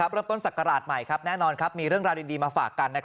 ตั้งแต่ศักราชใหม่แน่นอนมีเรื่องราวดีมาฝากกัน